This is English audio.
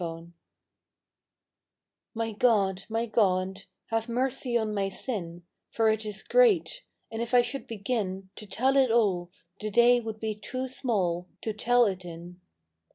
IV /T Y God, my God, have mercy on my sin For it is great; and if I should begin To tell it all, the day would be too small To tell it in.